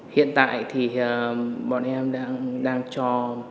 hiện tại thì bọn em đang cho